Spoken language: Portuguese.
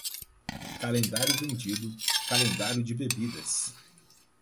Calendário vendido, calendário de bebidas.